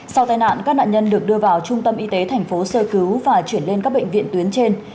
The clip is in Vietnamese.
sau tai nạn các nạn nhân được đưa vào trung tâm y tế thành phố sơ cứu và chuyển lên các bệnh viện tuyến trên